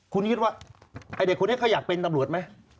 คุณคิดว่าไอ้เด็กคนนี้เขาอยากเป็นตำรวจไหม